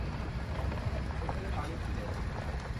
সেখানে পানি ছিল না।